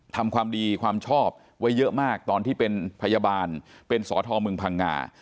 ทำความดีความชอบไว้เยอะมากตอนที่เป็นพยาบาลเป็นสอทอเมืองพังงา